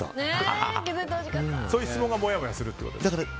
そういう質問がもやもやするってことですか？